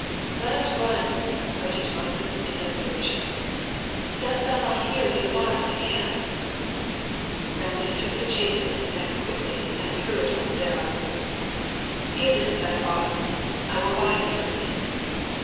"Let us run!" cried Tutmosis, in desperation. "Dost thou not hear the alarm in the camp?" Rameses took the chain from his neck quickly and threw it on Sarah. "Give this to thy father. I will buy thee from him.